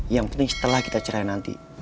yang penting setelah kita cerai nanti